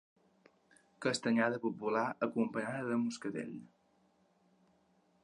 Castanyada popular, acompanyada de moscatell.